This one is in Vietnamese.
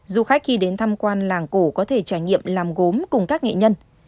du khách khi đến tham quan làng cổ có thể trải nghiệm làm gốm cùng các nghệ nhân